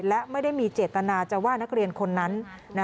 และไม่ได้มีเจตนาจะว่านักเรียนคนนั้น